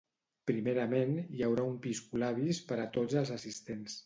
Primerament hi haurà un piscolabis per a tots els assistents.